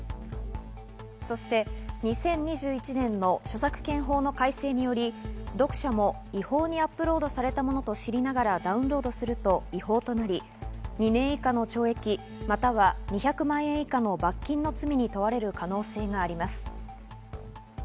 そして２０２１年の著作権法の改正により、読者も違法にアップロードされたものと知りながらダウンロードすると違法となり、２年以下の懲役または２００万円以下の罰金の罪に問われる可能性があります。